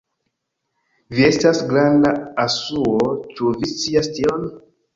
Vi estas granda asuo, ĉu vi scias tion?